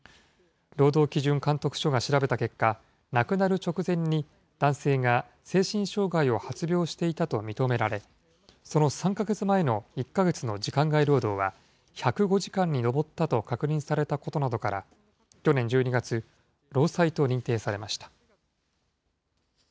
労働基準監督署が調べた結果、亡くなる直前に、男性が精神障害を発病していたと認められ、その３か月前の１か月の時間外労働は、１０５時間に上ったと確認されたことなどから、去年１２月、労災と認定されました。